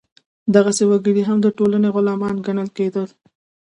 دغسې وګړي هم د ټولنې غلیمان ګڼل کېدل.